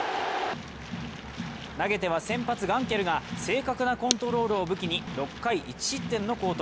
投げては先発・ガンケルが正確なコントロールを武器に６回１失点の好投。